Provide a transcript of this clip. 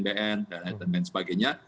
dan lain lain sebagainya